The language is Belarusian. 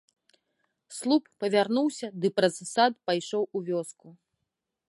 Слуп павярнуўся ды праз сад пайшоў у вёску.